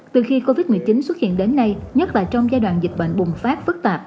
từ khi covid một mươi chín xuất hiện đến nay nhất là trong giai đoạn dịch bệnh bùng phát phức tạp